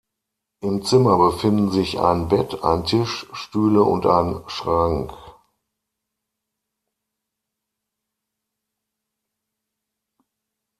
Im Zimmer befinden sich ein Bett, ein Tisch, Stühle und ein Schrank.